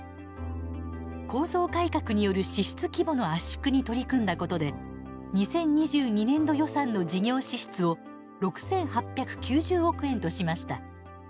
構造改革による支出規模の圧縮に取り組んだことで２０２２年度予算の事業支出を６８９０億円としました。